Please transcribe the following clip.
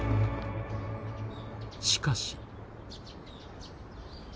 しかし。